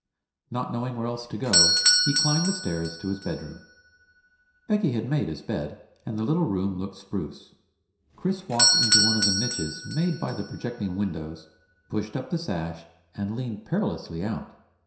Not knowing where else to go, he climbed the stairs to his bedroom. Becky had made his bed, and the little room looked spruce. Chris walked into one of the niches made by the projecting windows, pushed up the sash, and leaned perilously out.